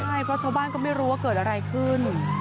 ใช่เพราะชาวบ้านก็ไม่รู้ว่าเกิดอะไรขึ้น